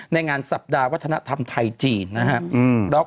ในงานสัปดาห์วัฒนธรรมไทยจีนนะครับ